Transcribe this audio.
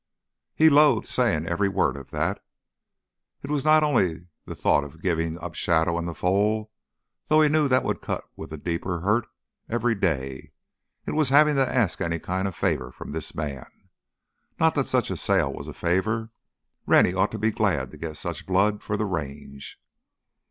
He loathed saying every word of that. It was not only the thought of giving up Shadow and the foal, though he knew that would cut with a deeper hurt every day. It was having to ask any kind of favor from this man. Not that such a sale was a favor; Rennie ought to be glad to get such blood for the Range.